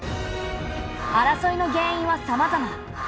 争いの原因はさまざま。